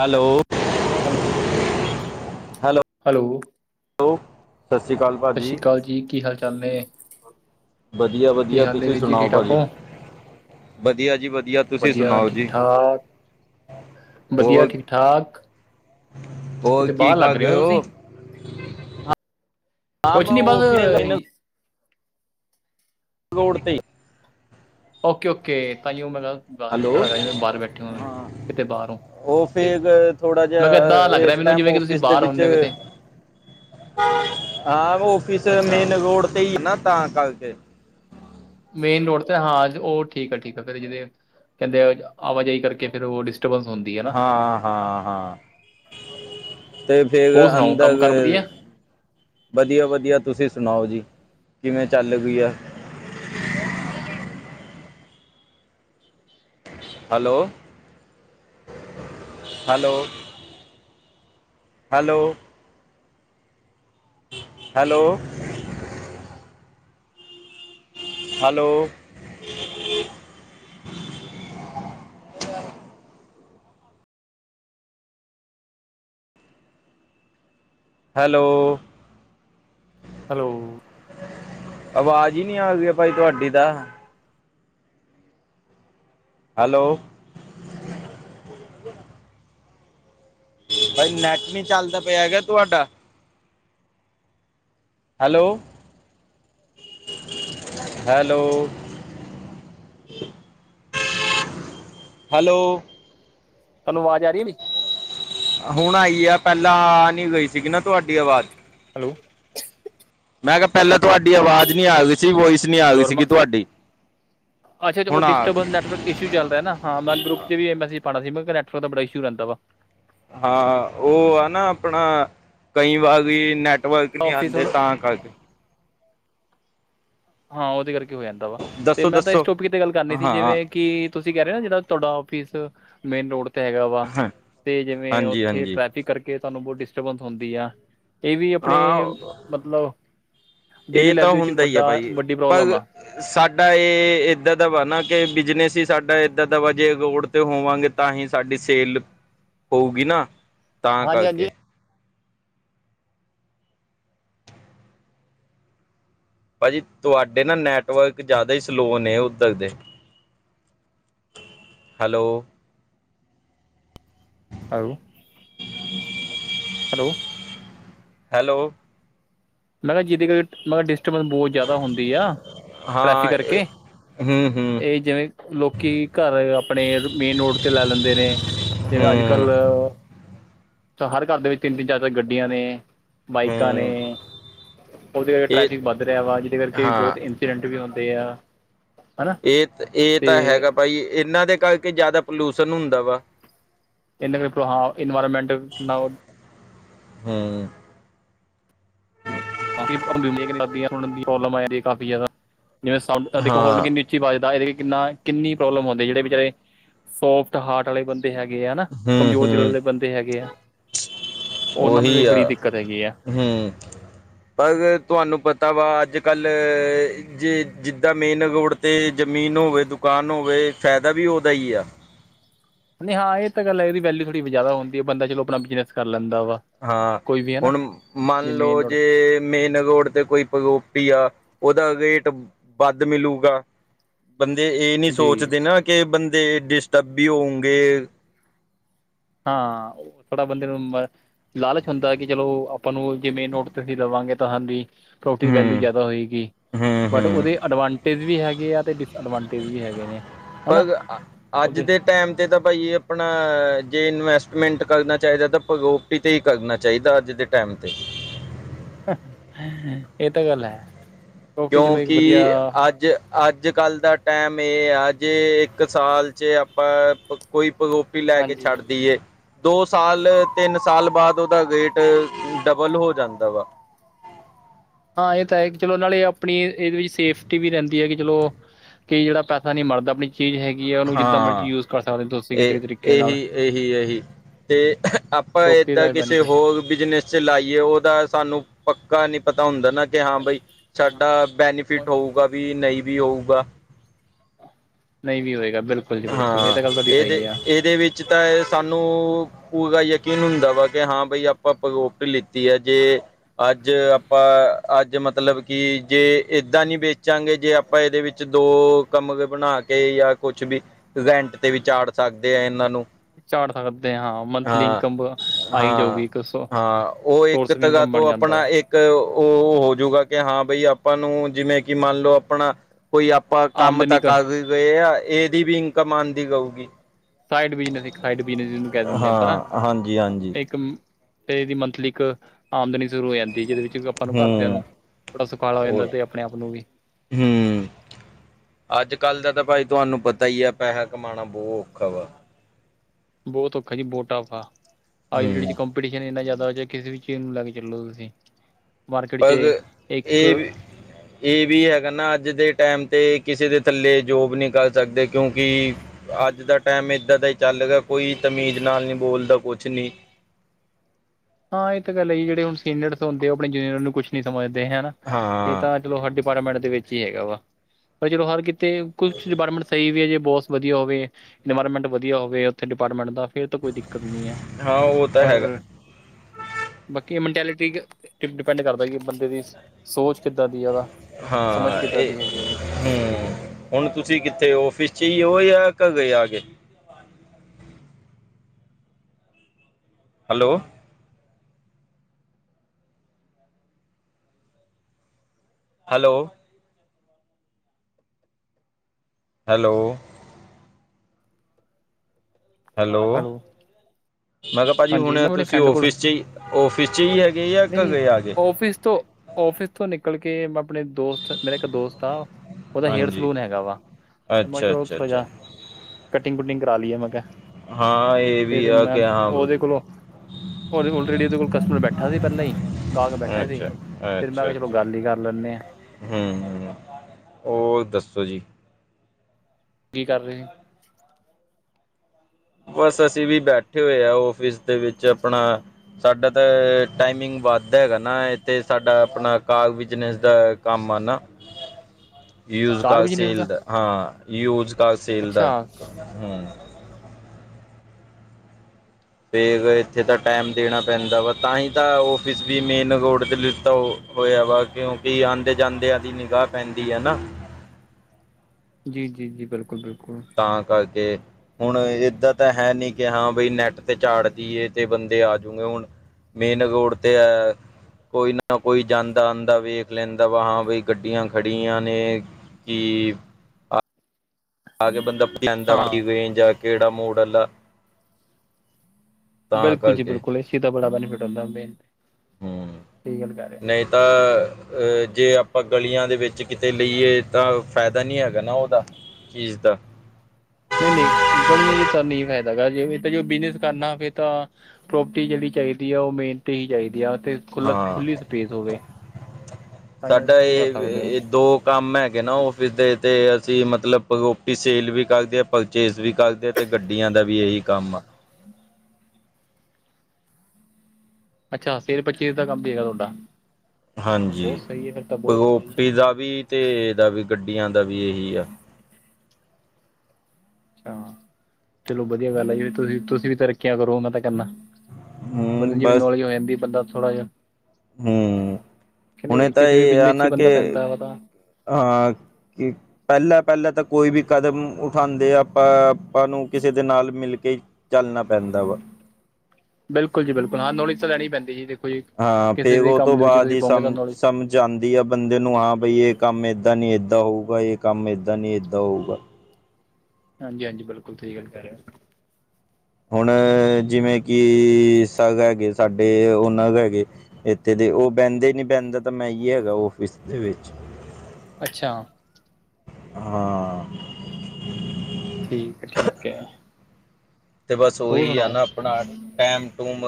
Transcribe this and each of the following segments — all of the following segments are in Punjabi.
ਹੈਲੋ। Hello hello. ਹੈਲੋ। ਸਤਿ ਸ਼੍ਰ ਅਕਾਲ। ਸਤਿ ਸ਼੍ਰੀ ਭਾਜੀ ਅਕਾਲ ਜੀ ਕੀ ਹਾਲ ਚਾਲ ਨੇ। ਵਧੀਆ ਕੀ ਵਧੀਆ ਹਾਲ ਏ ਤੁਸੀਂ ਵੀਰ ਜੀ ਸੁਣਾਓ ਠੀਕ- ਠਾਕ ਭਾਜੀ ਹੋ। ਵਧੀਆ ਜੀ ਤੁਸੀਂ ਵਧੀਆ ਸੁਣਾਓ ਠੀਕ- ਜੀ ਠਾਕ। ਵਧੀਆ ਹੋਰ ਠੀਕ- ਠਾਕ। ਹੋਰ ਕਿਤੇ ਕੀ ਬਾਹਰ ਲੱਗ ਕਰ ਰਹੇ ਹੋ ਤੁਸੀਂ ਹਾਂ ਕੁਛ ਮੈਂ ਨੀ ਬਸ ਆਫਿਸ ਰੋੜ ਤੇ ਓਕੇ- ਓਕੇ ਤਾਂਈ ਓ ਮੈਂ ਕਿਹਾ ਹੈਲੋ ਇਧਰ ਲਗਾ ਜ ਮੈਂ ਬਾਹਰ ਬੈਠੇ ਹੋ ਹਾਂ ਕਿਤੇ ਬਾਹਰ ਹੋ। ਉਹ ਤੇ ਫਿਰ ਥੋੜ੍ਹਾ ਮੈਂ ਕਿਹਾ ਜਿਹਾ ਏਦਾਂ ਲੱਗ ਰਿਹਾ ਇਸ ਮੈਨੂੰ ਟਾਈਮ ਜਿਵੇਂ ਕਿ ਤੁਸੀਂ ਆਫਿਸ ਦੇ ਬਾਹਰ ਵਿੱਚ ਹੁੰਦੇ ਹੋ ਕਿਤੇ ਹਾਂ ਔਫਿਸ ਅੱਛਾ ਮੇਨ ਰੋਡ ਤੇ ਹੀ ਨਾ ਤਾਂ ਕਰਕੇ ਮੇਨ ਰੋਡ ਤੇ ਹਾਂ ਉਹ ਠੀਕ ਆ- ਠੀਕ ਆ ਫਿਰ ਜਿਹ ਕਹਿੰਦੇ ਆਵਾਜਾਈ ਕਰਕੇ ਫੇਰ ਉਹ ਡਿ ਟਰਬੈਂਸ ਹੁੰਦੀ ਆ। ਹਾਂ- ਹਾਂ- ਹਾਂ- ਹਾਂ। ਤੇ ਫਿਰ ਹੋਰ ਸੁਣਾਓ ਅੰਦਰ ਕੰਮ ਕਾਰ ਵਧੀਆ ਵਧੀਆ-ਵਧੀਆ ਤੁਸੀਂ ਸੁਣਾਓ ਜੀ ਕਿਵੇਂ ਚੱਲ ਗਈ ਆ। Hello hello hello hello hello hello hello ਆਵਾਜ਼ ਹੀ ਨਹੀਂ ਆ ਗਈ ਭਾਈ ਤੁਹਾਡੀ ਦਾ ਹੈਲੋ ਭਾਈ ਨੈਟ ਨੀ ਚੱਲਦਾ ਪਿਆ ਹੈਗਾ ਤੁਹਾਡਾ ਹੈਲੋ- ਹੈਲੋ ਹੈਲੋ ਤੁਹਾਨੂੰ ਆਵਾਜ਼ ਆ ਰਹੀ ਨੀ। ਹੁਣ ਆਈ ਆ ਪਹਿਲਾਂ ਨੀ ਗਈ ਸੀਗੀ ਨਾ ਤੁਹਾਡੀ ਆਵਾਜ਼ ਹੈਲੋ ਮੈਂ ਕਿਹਾ ਪਹਿਲਾਂ ਤੁਹਾਡੀ ਆਵਾਜ਼ ਨੀ ਆਦੀ ਅਂ ਵਆਇਸ ਨਹੀਂ ਆ ਗਈ ਹੈਲੋ, ਸੀਗੀ ਤੁਹਾਡੀ ਅੱਛਾ ਅੱਛਾ ਉਹ ਹੁਣ ਆ ਡਿਸਟਰਬੈਂਸ ਗਈ। ਨੈਟਵਰਕ ਇਸ਼ੂ ਚੱਲਦਾ ਨਾ ਹਾਂ ਮੈਂ ਗਰੁਪ 'ਚ ਵੀ ਇਹ ਮੈਸਿਜ ਪਾਉਣਾ ਸੀੈ [unintelligible] ਦਾ ਬੜਾ ਇਸ਼ੂ ਰਹਿੰਦਾ ਵਾ। ਹਾਂ ਉਹ ਆ ਨਾ ਆਪਣਾ ਕਈ ਵਾਰ ਵੀ ਨੈਟਵਰਕ ਨਹੀਂ ਆਫਿਸ ਆਂਦੇ ਹੁਣ ਤਾਂ ਕਰਕੇ ਹਾਂ ਉਹਦੇ ਕਰਕੇ ਹੋ ਜਾਂਦਾ ਵਾ ਤੇ ਦੱਸੋ ਮੈਂ ਤਾਂ ਇਸ ਦੱਸੋ ਟੋਪਿਕ ਤੇ ਗੱਲ ਕਰਨੀ ਸੀ ਹਾਂ ਜਿਵੇਂ ਕੀ ਤੁਸੀਂ ਕਹਿ ਰਹੇ ਹੋ ਜਿਹੜਾ ਤੁਹਾਡਾ ਆਫਿਸ ਮੇਨ ਰੋਡ ਹੈਗਾ ਵਾ ਤੇ ਜਿਵੇਂ ਹਾਂਜੀ ਉੱਥੇ ਹਾਂਜੀ ਟ੍ਰੈਫਿਕ ਕਰਕੇ ਤੁਾਨੂੰ ਬਹੁਤ ਡਿਸਟਰਬੈਂਸ ਹੁੰਦੀ ਆ। ਇਹ ਵੀ ਆਪਣੇ ਹਾਂ ਮਤਲਬ ਡੇਲੀ ਲਾਈਫ ਦੇ ਵਿੱਚ ਇੱਕ ਵੱਡਾ ਵੱਡੀ ਪਗ ਪ੍ਰੋਬਲਮ ਆ ਸਾਡਾ ਇਹ ਇੱਦਾਂ ਦਾ ਵਾ ਨਾ ਕਿ ਬਿਜਨਸ ਹੀ ਸਾਡਾ ਇੱਦਾਂ ਦਾ ਵਾ ਜੇ ਅ ਰੋਡ ਹੋਵਾਂਗੇ। ਤਾਂ ਹੀ ਸਾਡੀ ਸੇਲ ਹੋਊਗੀ ਨਾ ਤਾਂ ਹਾਂਜੀ ਹਾਂਜੀ ਕਰਕੇ ਭਾਜੀ ਤੁਹਾਡੇ ਨਾ ਨੈਟਵਰਕ ਜ਼ਿਆਦਾ ਹੀ ਸਲੋਅ ਨੇ ਉੱਧਰ ਦੇ ਹੈਲੋ ਹੈ ਹੈਲੋ ਹੈਲੋ ਮੈਂ ਕਿਹਾ ਜਿਹਦੇ ਕਰ ਮੈਂ ਕਿਹਾ ਡਿਸਟਰਬੈਂਸ ਬਹੁਤ ਜ਼ਿਆਦਾ ਹੁੰਦੀ ਆ ਹਾਂ ਟਰੈਫਿਕ ਕਰਕੇ ਹੂੰ ਹੂੰ ਇਹ ਜਿਵੇਂ ਲੋਕੀ ਘਰ ਆਪਣੇ ਮੇਨ ਰੋਡ ਤੇ ਲੈ ਲੈਂਦੇ ਨੇ। ਜਿਵੇਂ ਅੱਜ ਹੂੰ ਕੱਲ੍ਹ ਹਰ ਘਰ ਦੇ ਵਿੱਚ ਤਿੰਨ ਤਿੰਨ ਚਾਰ ਚਾਰ ਗੱਡੀਆਂ ਨੇ ਬਾਈਕਾਂ ਨੇ ਹੂੰ ਉਹਦੇ ਕਰਕੇ ਇਹ ਟ੍ਰੈਫਿਕ ਵੱਧ ਰਿਹਾ ਵਾ ਜਿਹਦੇ ਕਰਕੇ ਹਾਂ ਬਹੁਤ ਇੰਸੀਡੈਂਟ ਵੀ ਹੁੰਦੇ ਆ ਹਨਾ ਇਹ ਇਹ ਤੇ ਤਾਂ ਹੈਗਾ ਭਾਈ ਇਹਨਾਂ ਦੇ ਕਰਕੇ ਜ਼ਿਆਦਾ ਪੋਲਿੂਸ਼ਨ ਹੁੰਦਾ ਵਾ ਇਹ ਹਾਂ ਇਨਵਾਇਰਮੈਂਟ ਨਾ ਹਮ ਲੱਗਦੀ ਪ੍ਰੋਬਲਮ ਆ ਕਾਫੀ ਜਿਆਦਾ ਹਾਂ ਜਿਵੇਂ ਉਚੀ ਵਾਜ ਦਾ ਇਹਦੇ ਕਿੰਨਾ ਕਿੰਨੀ ਪ੍ਰੋਬਲਮ ਹੁੰਦੀ ਜਿਹੜੇ ਬਾਰੇ ਸੋਫਟ ਹਾਰਟ ਵਾਲੇ ਬੰ ਹੈਗੇ ਆਾ ਹੂੰ ਕਮਜ਼ੋਰ ਦਿਲ ਹੂੰ ਦੇ ਬੰਦੇ ਹੈਗੇ ਆ ਉਹਨਾਂ ਦੇ ਲਈ ਬੜੀ ਦਿੱਕਤ ਹੈਗੀ ਆ ਹ ਪਰ ਤੁਹਾਨੂੰ ਪਤਾ ਵਾ ਅੱਜ ਕੱਲ੍ਹ ਜੇ ਜਿੱਦਾਂ ਮੇਨ ਰੋਡ 'ਤੇ ਜ਼ਮੀਨ ਹੋਵੇ ਦੁਕਾਨ ਹੋਵੇ ਫਾਇਦਾ ਵੀ ਉਹਦਾ ਹੀ ਆ ਨਹੀਂ ਹਾਂ ਇਹ ਤਾਂ ਗੱਲ ਹੈ ਇਹਦੀ ਵੈਲੂ ਥੋੜੀ ਜ਼ਿਆਦਾ ਹੁੰਦੀ ਆ ਬੰਦਾ ਚਲੋ ਆਪਣਾ ਬਿਜ਼ਨਸ ਕਰ ਲੈਂਦਾ ਵਾ ਹਾਂ ਕੋਈ ਵੀ ਹੈ ਨਾ ਹੁਣ ਮੰਨ ਜੇ ਲਓ ਮੇਨ ਰੋਡ ਜੇ ਮੇਨ ਰੋਡ ਤੇ ਕੋਈ ਪਗੋਪੀ ਆ ਉਹਦਾ ਰੇਟ ਵੱਧ ਮਿਲੂਗਾ ਬੰਦੇ ਇਹ ਨੀ ਜੀ ਸੋਚਦੇ ਨਾ ਕਿ ਬੰਦੇ ਡਿਸਟਰਬ ਵੀ ਹੋਊਗੇ ਹਾਂ ਥੋੜਾ ਬੰਦੇ ਲਾਲਚ ਹੁੰਦਾ ਕਿ ਚਲੋ ਆਪਾਂ ਨੂੰ ਜਿਵੇਂ ਨੋਟ ਤੇ ਅਸੀਂ ਲਵਾਂਗੇ ਤਾਂਹਾਨਡੀ ਪ੍ਰੋਫਟੀ ਵੈਲਊ ਹੂੰ ਜ਼ਿਆਦਾ ਹੋਏਗੀ ਹੂੰ ਬਟ ਹੂੰ ਉਹਦੇ ਅਡਵਾਂ ਵੀ ਹੈਗੇ ਆ ਤੇ ਡਿਸਐਡਵਾਂਟੇਜ ਵੀ ਹੈਗੇ ਨੇ ਹੈ ਨਾ ਪਰ ਅੱਜ ਉਹਦੇ ਦੇ ਟਾਈਮ 'ਤੇ ਤਾਂ ਭਾਾਈ ਆਪਣਾ ਜੇ ਇਨਵੈਸਟਮੈਂਟ ਕਰਨਾ ਚਾਹੀਦਾ ਤਾਂ ਭਗੋ ਤੇ ਹੀ ਕਰਨਾ ਚਾਹੀਦਾ ਅੱਜ ਦੇ ਟਾਈਮ ਤੇ ਇਹ ਤਾਂ ਗੱਲ ਹੈ ਪ੍ਰੋਪਰਟੀ ਚਲੋ ਇੱਕ ਵਧੀਆ ਕਿਉਂਕਿ ਅੱਜ ਅੱਜ ਕੱਲ੍ਹ ਦਾ ਟਾਈਮ ਇਹ ਆ ਜੇ ਇੱਕ ਸਾਲ 'ਚ ਆਪਾਂ ਪ ਕੋਈ ਪੋ ਲੈ ਕੇ ਹਾਂਜੀ ਛੱਡਦੀਈ ਦੋ ਸਾਲ ਤਿੰਨ ਸਾਲ ਬਾਅਦ ਉਹਦਾ ਵੇਟ ਡਬਲ ਹੋ ਜਾਂਦਾ ਵਾ ਹਾਂ ਇਹ ਤਾਂ ਹੈ ਕਿ ਚਲੋ ਨਾਲੇ ਆਪਣੀ ਇਹਦੇ ਵਿੱਚ ਸੇਫਟੀ ਵੀ ਰਹਿੰਦੀ ਹੈ ਕਿ ਚਲੋ ਕ ਜਿਹੜਾੈਸ ਨੀ ਮਰਦਾ ਆਪਣੀ ਚੀਜ਼ ਹੈਗੀ ਹੈ ਉਹਨੂੰ ਜਿੱਦਾਂ ਮਰਜ਼ੀ ਹਾਂ ਯੂਜ ਕਰ ਸਕਦੇ ਹੋ ਤੁਸੀਂ ਕਿਸੇ ਇਹ ਵੀ ਤਰੀਕੇ ਨਾਲ ਇਹੀ ਇਹੀ ਇਹੀ ਤੇ ਆਪਾਂ ਪ੍ਰੋਪਰਟੀ ਏਦਾਂ ਦਾ ਕਿਸੇ ਬੈਨੀਫਿਟ ਹੈ ਹੋਰ ਬਿਜਨਸ ਚ ਲਾਈਏ ਉਹਦਾ ਸਾਨੂੰ ਪੱਕਾ ਨਹੀਂੀ ਪਤਾ ਹੁੰਦਾ ਨਾ ਕਿ ਹਾਂ ਬਾਈ ਸਾਡਾ ਬੈਨੀਫਿਟ ਹੋਊਗਾ ਵੀ ਨਹੀਂ ਵੀ ਹੋਊਗਾ ਨਹੀਂ ਵੀ ਹੋਏਗਾ ਬਿਲਕੁਲ ਜੀ ਬਿਲਕੁਲ ਇਹ ਹਾਂ ਤਾਂ ਗੱਲ ਤੁਹਾਡੀ ਇਹਦੇ ਸਹੀ ਆ ਇਹਦੇ ਵਿੱਚ ਤਾਂ ਸਾਨੂੰ ਉਹਗਾ ਯਕੀਨ ਹੁੰਦਾ ਵਾ ਕਿ ਹਾਂ ਬਈ ਆਪਾਂ ਪਗੋਟ ਲਿੱਤੀ ਹੈ ਜੇ ਅੱਜ ਆਪਾਂ ਅੱਜ ਮਤਲਬ ਕਿ ਜੇ ਏਦਾਂ ਨੀ ਵੇਚਾਂਗੇ ਜੇਾਂ ਆਪਾਂ ਇਹਦੇ ਵਿੱਚ ਦੋ ਕੰਮ ਬਣਾ ਕੇ ਜਾਂ ਕੁਛ ਕੁਛ ਵੀ ਰੈਂਟ ਤੇ ਵੀ ਚਾੜ ਸਕਦੇ ਆ ਇਹਨਾਂ ਨੂੰ ਝਾੜ ਸਕਦੇ ਹ ਹਾਂ ਮੰਥਲੀ ਹਾਂ ਇਨਕਮ ਆਈ ਜਾਊਗੀ ਇੱਕ ਸੌ ਤਗਾਾ ਤੋਂ ਆਪਣਾ ਇੱਕ। ਇੱਕ ਉਹ ਹੋਜੂਗਾ ਕਿ ਹਾਂ ਬਈ ਆਪਾਂ ਨੂੰ ਜਿਵੇਂ ਕਿ ਮੰਨ ਲਓ ਆਪਣਾ। ਕੋਈ ਆਪਾਂ ਕੰਮ ਆਮਦਨੀ ਤਾਂ ਇੱਕ ਕਰ ਗਏ ਆ ਇਹਦੀ ਵੀ ਇਨਕਮ ਆਉਂਦੀ ਕਊਗੀ। ਸਾਈਡ ਬਿਜਨ ਇੱਕ ਸਾਈਡ ਬਿਜਨ ਜਿਹਨੂੰ ਕਹਿ ਦਿੰਦੇ ਆਪਾਂ ਹਾਂ ਹਾਂਜੀ ਹਾਂਜੀ ਇੱਕ। ਤੇਦੀ ਮੰਥਲੀ ਇੱਕ ਆਮਦਨੀ ਸ਼ੁਰੂ ਹੋ ਜਾਂਦੀ। ਜਿਹਦੇ ਵਿੱਚ ਆਪਾਂ ਨੂੰ ਘਰਦਿਆਂ ਨੂੰ ਹੂੰ ਥੋੜਾ ਸੁਖਾਲਾ ਹੋ ਉਹ ਜਾਂਦਾ ਤੇ ਆਪਣੇ ਆਪ ਨੂੰ ਵੀ ਹੂੰ, ਅੱਜ ਕੱਲ੍ਹ ਦਾ ਤਾਂ ਭਾਈ ਤੁਹਾਨੂੰ ਪਤਾ ਹੀ ਆ ਪੈਸਾ ਕਮਾਉਣਾ ਬਹੁਤ ਔਖਾ ਵਾ ਬਹੁਤ ਔਖਾ ਜੀ ਬੋਟਾਾ ਅੱਜ ਦੀ ਡੇਚ ਹੂੰ ਕੰਪੀਟੀਸ਼ਨ ਇੰਨਾ ਜ਼ਿਆਦਾ। ਕਿਸੇ ਵੀ ਚੀਜ਼ ਨੂੰ ਲੈ ਕੇ ਚੱਲੋ ਤੁਸੀਂ ਮਾਰਕੀਟ ਚ ਪਰ ਇੱਕ ਇਹ ਵੀ ਇਹ ਵੀ ਹੈਗਾ ਨਾ ਅੱਜ ਦੇ ਟਾਈਮ 'ਤੇ ਕਿਸੇ ਦੇ ਥੱਲੇ ਜੋਬ ਨਹੀਂ ਕਰ ਸਕਦੇ ਕਿਉਂਕਿ ਅੱਜ ਦਾ ਟਾਈਮ ਏਦਾਂ ਦਾ ਹੀ ਚੱਲਗਾ ਕੋਈ ਤਮੀਜ਼ ਨਾਲ ਨਹੀਂੀ ਬੋਲਦਾ ਕੁਛ ਨਹੀਂ ਹਾਂ ਇਹ ਤਾਂ ਗੱਲ ਹੈ ਜ ਜਿਹੜੇ ਹੁਣ ਸੀਨੀਅਰ ਹੁੰਦੇ ਉਹ ਆਪਣੇ ਜੂਨੀਅਰ ਨੂੰ ਕੁਛ ਨੀ ਸਮਝਦੇ ਹਨਾ ਹਾਂ ਇਹ ਤਾਂ ਚਲੋ ਹਰ ਡਿਪਾਰਟਮੈਂਟ ਦੇ ਵਿੱਚ ਹੀ ਹੈਗਾ ਵਾ ਪਰ ਚਲੋ ਹਰ ਕਿਤੇ ਕੁਛ ਡਿਪਾਰਟਮੈਂਟ ਸਹੀ ਵੀ ਹੈ ਜੇ ਬਹੁਤ ਵਧੀਆ ਹੋਵੇ ਇਨਵਾਇਰਮੈਂਟ ਵਧੀਆ ਹੋਵੇ ਉੱਥੇ ਡਿਪਾਰਟਮੈਂਟ ਦਾ ਫਿਰ ਤਾਂ ਕੋਈ ਦਿੱਕਤ ਨਹੀਂ ਹੈ ਹਾਂ ਉਹ ਤਾਂ ਹੈਗਾ ਪਰ ਬਾਕੀ ਮੈਂਟੈਲਿਟੀ ਡਿਪੈਂਡ ਕਰਦਾ ਬੰਦੇ ਦੀ। ਸੋਚ ਕਿੱਦਾਂ ਦੀ ਉਹਦਾ ਸਮਝ ਹਾਂ ਕਿੱਦਾਂ ਦੀ ਇਹ ਹੈਗੀ ਉਹਦੀ ਹੂੰ, ਹੁਣ ਤੁਸੀਂ ਕਿੱਥੇ ਔਫਿਸ ਚ ਹੀ ਹੋ ਜਾਂ ਘ ਗਏ ਆ ਕੇ ਹੈਲੋ, ਹੈਲੋ, ਹੈਲੋ, ਹੈਲੋ, ਮੈਂ ਕਿਹਾ ਭਾਜੀ ਹਾਂਜੀ ਹੁਣ ਮੈਂ ਆਪਣੇ ਤੁਸੀਂ ਫਰੈਂਡ ਕੋਲ ਔਫਿਸ ਚ ਹੀ ਔਫਿਸ ਚ ਹੀ ਹੈਗੇ ਜਾਂ ਘਏ ਆ ਗਏ। ਔਫਿਸ ਤੋਂ ਫਿਸ ਤੋਂ ਨਿਕਲ ਕੇ ਮੈਂ ਆਪਣੇ ਦੋਸਤ ਮੇਰਾ ਇੱਕ ਦੋਸਤ ਆ। ਉਹਦਾ ਹੇਅਰ ਹਾਂਜੀ ਸਲੂਨ ਹੈਗਾ ਅੱਛਾ ਅੱਛਾ ਵਾਥੋ ਅੱਛਾ ਜਾ ਕਟਿੰਗ ਕੁਟਿੰਗ ਕਰਾ ਲਈਏ ਮੈਂ ਕਿਹਾ। ਹਾਂ ਇਹ ਵੀ ਫਿਰ ਆ ਮੈਂ ਕਿ ਉਹਦੇ ਕੋਲੋਂ ਲਰੇਡੀ ਉਹਦੇ ਕੋਲ ਕਸਟਮਰ ਬੈਠਾ ਸੀ ਪਹਿਲਾਂ ਹੀ ਗਾ ਕੇ ਬੈਠਾ ਸੀ। ਅੱਛਾ ਅੱਛਾ ਫਿਰ ਮੈਂ ਕਿਹਾ ਅੱਛਾ ਚਲੋ ਗੱਲ ਹੀ ਕਰ ਲੈਂਦੇ ਆ ਹੂੰ, ਉਹ ਦੱਸੋ ਜੀ, ਕੀ ਕਰ ਰਹੇ। ਬਸ ਅਸੀਂ ਵੀ ਬੈਠੇ ਹੋਏ ਆ ਆਫਿਸ ਦੇ ਵਿੱਚ ਆਪਣਾ। ਸਾਡਾ ਤਾਂ ਟਾਈਮਿੰਗ ਵੱਧਦਾ ਹੈਗਾ ਨਾ ਅਤੇ ਸਾਡਾ ਆਪਣਾ ਕਾਗ ਬਿਜ਼ਨਸ ਦਾ। ਕੰਮ ਨਾ ਯੂਜ਼ ਕਾਰ ਕਾ ਬਿਜਨਸ ਸੇਲ ਦਾ ਹਾਂ ਯੂਜ ਕ ਸੇਲ ਦਾ ਅੱਛਾ ਹੂ, ਫਿਰ ਇੱਥੇ ਤਾਂ ਟਾਈਮ ਦੇਣਾ ਪੈਂਦਾ ਵਾ ਤਾਂ ਹੀ ਤਾਂ ਔਫਿਸ ਵੀ ਮੇਨ ਰੋਡ 'ਤੇ ਲਤਾ ਉਹ ਹੋਇਆ ਵਾ ਕਿਉਂਕਿ ਆਉਂਦੇ ਜਾਂਦਿਆਂ ਦੀ ਨਿਗਾਹ ਪੈਂਦੀ ਹੈ ਨਾ। ਜੀ ਜੀ ਜੀ ਬਿਲਕੁਲ ਬਿਲਕੁਲ ਤਾਂ ਕਰਕੇ ਹੁਣ ਏਦਾਂ ਤਾਂ ਹੈ ਨਹੀਂ ਕਿ ਹਾਂ ਬਈ ਨੈੱਟ ਤੇ ਚੜਦੀਏ ਤੇ ਬੰਦੇ ਆਜੂਗੇ ਹੁਣ ਮੇਨ ਰੋਡ ਤੇ ਹੈ। ਕੋਈ ਨਾ ਕੋਈ ਜਾਂਦਾ ਆਉਂਦਾ ਵੇਖ ਲੈਂਦਾ ਵਾ ਹਾਂ ਬਈ ਗੱਡੀਆਂ ਖੜੀਆਂ ਨੇ। ਕਿ ਆ ਕੇ ਬੰਦਾ ਪਦਾ ਹਾਂ ਵ ਜਾ ਕਿਹੜਾ ਮੂੜਲਾ ਬਿਲਕੁਲ ਜੀ ਬਿਲਕੁਲ ਏ ਤਾਂ ਬੜਾ ਬੈਨੀਫਿਟ ਹੁੰਦਾ ਹੂੰ ਸਹੀ ਗੱਲ ਕਰ ਰਿ ਨਹੀਂ ਤਾਂ ਅਹ ਜੇ ਆਪਾਂ ਗਲੀਆਂ ਦੇ ਵਿੱਚ ਕਿਤੇ ਲਈਏ ਤਾਂ ਫਾਇਦਾ ਨਹੀਂ ਹੈਗਾ ਨਾ ਉਹਦਾ। ਚੀਜ਼ ਦਾ ਨਹੀਂ ਨਹੀਂ ਗਲੀਆਂ ਚ ਤਾਂ ਨੀ ਫੈਦਾ ਹੈਗਾ, ਜੇ ਫੇਰ ਤਾਂ ਜੋ ਬਿਜਨਸ ਕਰਨਾ ਫਿਰ ਤਾ ਪ੍ਰੋਪਰਟੀ ਜੇੜੀ ਚਾਈਦੀ ਆ ਓਹ ਮੇਨ ਤੇ ਹੀ ਚਾਹੀਦੀ ਆ, ਤੇ ਖੁਲਾ ਖੁੱਲੀ ਹਾਂ ਸਪੇਸ ਹੋਵੇ। ਤਾਂ ਹੀ ਉਹ ਸਾਡਾ ਤੁਸੀਂ ਕਰ ਏਹ ਵੇ ਸਕਦੇ ਹੋ ਏਹ ਦੋ ਕੰਮ ਹੈਗੇ ਨਾ, ਔ ਵੀ ਦਏ ਤੇ ਅਸੀਂ ਮਤਲਬ ਪ੍ਰੋਪਰਟੀ ਸੇਲ ਵੀ ਕਰਦੇ ਐ ਪਰਚੇਸ ਵੀ ਕਰਦੇ ਤੇ ਗੱਡੀਆਂ ਦਾ ਵੀ ਏਹੀ ਕੰਮ ਆ। ਅੱਛਾ, ਸੇਲ ਪੱਰਚੇਸ ਦਾ ਕੰਮ ਵੀ ਹੈਗਾ ਤੋਡਾ। ਹਾਂਜੀ, ਵਧੀਆ ਜੀ ਪ੍ਰੋਪਟੀ ਦਾ ਵੀ ਤੇ ਏਦਾ ਵੀ ਗੱਡੀਆਂ ਦਾ ਵੀ ਏਹੀ ਐ। ਛਾ, ਚਲੋ ਵਧੀਆ ਗੱਲ ਆ ਜੀ। ਤੁਸੀ ਤੁਸੀਂ ਵੀ ਤਰੱਕੀਆਂ ਕਰੋ, ਮੈਂ ਤਾਂ ਕਰਨਾ। ਬੰਦੇ ਹੂੰ ਜਿਵੇ ਬਸ ਨੌਲੇਜ ਹੋ ਜਾਂਦੀ ਏ, ਬੰਦਾ ਥੋੜਾ ਜਾ ਹੂੰ, ਹੁਣੇ ਤਾਂ ਕਿਸੇ ਵੀ ਏਹ ਆ ਬਿਜ਼ਨਸ 'ਚ ਨਾ ਕੇ ਬੰਦਾ ਪੈਂਦਾ ਵਾ ਤਾਂ ਹਾਂ, ਕਿ ਪੈਲਾਂ ਪੈਲਾਂ ਤਾਂ ਕੋਈ ਵੀ ਕਦਮ ਉਠਾੰਦੇ ਆਪਾਂ। ਆਪਾਂ ਨੂੰ ਕਿਸੇ ਦੇ ਨਾਲ ਮਿਲ ਕੇ ਚੱਲਣਾ ਪੈਂਦਾ ਵਾ। ਬਿਲਕੁਲ ਜੀ ਬਿਲਕੁਲ, ਹਾਂ ਨੌਲੀਜ ਤਾਂ ਲੈਣੀ ਈ ਪੈਂਦੀ ਜੀ, ਦੇਖੋ ਜੀ। ਹਾਂ, ਕਿਸੇ ਫੇ ਵੀ ਓਹ ਤੋਂ ਕੰਮ ਦੇ ਵਿੱਚ ਬਾਦ ਤੁਸੀਂ ਹੀ ਪਾਉਂਗੇ ਸਮ ਤਾਂ ਨੌਲੇਜ ਸਮ ਜਾਂਦੀ ਐ ਬੰਦੇ ਨੂੰ। ਹਾਂ, ਬਈ ਏਹ ਕੰਮ ਏਦਾਂ ਨੀ ਏਦਾਂ ਹੋਊਗਾ, ਏਹ ਕੰਮ ਏਦਾਂ ਨੀ ਏਦਾਂ ਹੋਊਗਾ। ਹਾਂਜੀ ਹਾਂਜੀ, ਬਿਲਕੁਲ ਸਹੀ ਗੱਲ ਕਰ ਰੈ ਐ। ਹੁਣ ਜਿਵੇਂ ਕਿ, ਸਗ ਹੈਗੇ ਸਾਡੇ ਉਹ ਨਗ ਹੈਗੇ। ਏਥੇ ਦੇ ਓਹ ਬੈੰਦੇ ਨੀ ਬੈੰਦਾ ਤਾਂ ਮੈਂ ਈ ਹੈਗਾ ਔਫਿਸ ਦੇ ਵੇਚ। ਅੱਛਾ। ਹਾਂ। ਠੀਕ ਹੈ, ਠੀਕ ਐ। ਤੇ ਬਸ ਓਹੀ ਆ ਨਾ ਆਪਣਾ ਟੈਮ-ਟੂਮ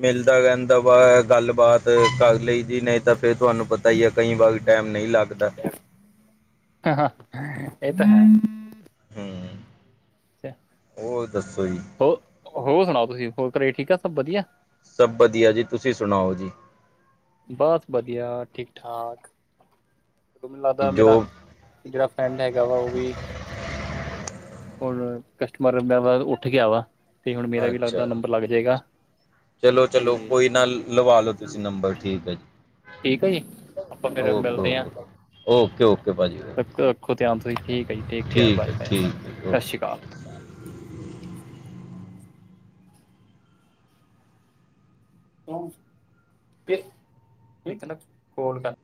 ਮਿਲਦਾ ਰੈੰਦਾ। ਵ ਗੱਲਬਾਤ ਕਰ ਲਈ ਦੀ ਨਹੀਂ ਤਾਂ ਫੇਰ ਤੁਹਾਨੂੰ ਪਤਾ ਹੀ ਐ ਕਈ ਵਾਰ ਟੈਮ ਨਹੀਂ ਲੱਗਦਾ। ਹਾ ਹਾ, ਇਹ ਤਾਂ ਹੈ। ਹੂੰ, ਹੋਰ ਦੱਸੋ ਜੀ। ਹੋ ਹੋਰ ਸੁਣਾਓ, ਤੁਸੀਂ ਹੋਰ ਘਰੇ ਠੀਕ ਆ ਸਭ ਵਧੀਆ? ਸਭ ਵਧੀਆ ਜੀ, ਤੁਸੀਂ ਸੁਣਾਓ ਜੀ? ਬਸ ਵਧੀਆ, ਠੀਕ-ਠਾਕ ਔ ਮੈਨ ਲੱਗਦਾ ਜੋ ਮੇਰਾ ਜੇੜਾ ਫਰੈਂਡ ਹੈਗਾ ਵਾ ਓਹ ਵੀ ਹੋਣ ਕਸਟਮਰ ਮੈਂ ਬਾਸ ਉੱਠ ਗਿਆ ਵਾ। ਤੇ ਹੁਣ ਮੇਰਾ ਵੀ ਲੱਗਦਾ ਅੱਛਾ ਨੰਬਰ ਲੱਗ ਜੇਗਾ। ਚਲੋ ਚਲੋ ਕੋਈ ਨਾ ਲਵਾ ਲੋ ਤੁਸੀਂ ਨੰਬਰ ਠੀਕ ਹੈ ਜੀ। ਠੀਕ ਆ ਜੀ, ਅਪਾਂ ਫੇਰ ਓਕੇ ਮਿਲਦੇ ਆਂ। ਓਕੇ ਓਕੇ ਓਕੇ ਭਾਜੀ ਰੱਖੋ ਰਖੋ ਧਿਆਨ, ਤੁਸੀਂ ਠੀਕ ਏਕੇ ਆ ਠੀਕ ਹੈ ਬਾਏ-ਬਾਏ ਠੀਕ ਹੈ ਸ ਓਕੇ ਸ਼੍ਰੀ ਕਾਲ। ਕੋਣ ਸੀ, ਫੇ ਫੇਰ ਕੈੰਦਾ ਕੋਲ ਕਰ।